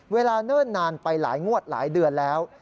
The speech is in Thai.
เนิ่นนานไปหลายงวดหลายเดือนแล้ว